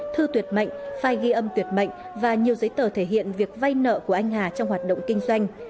thư tuyệt mạnh file ghi âm tuyệt mệnh và nhiều giấy tờ thể hiện việc vay nợ của anh hà trong hoạt động kinh doanh